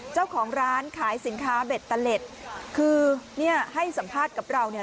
เจ้าของร้านขายสินค้าเบ็ตเตอร์เล็ตคือเนี่ยให้สัมภาษณ์กับเราเนี่ย